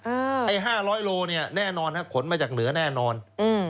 ไอ้ห้าร้อยโลเนี้ยแน่นอนฮะขนมาจากเหนือแน่นอนอืม